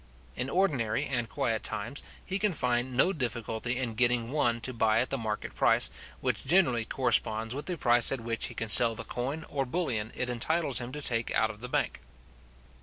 In ordinary and quiet times, he can find no difficulty in getting one to buy at the market price, which generally corresponds with the price at which he can sell the coin or bullion it entitles him to take out of the bank.